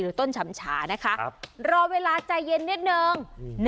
ต้นฉ่ำชานะคะรอเวลาใจเย็นนิดนึง